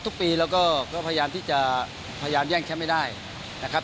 ทุกปีเราก็พยายามที่จะพยายามแย่งแชมป์ให้ได้นะครับ